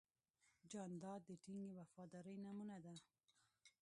جانداد د ټینګې وفادارۍ نمونه ده.